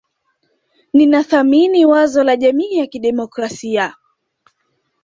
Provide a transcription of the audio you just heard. Ninathamini wazo la jamii ya kidemokrasia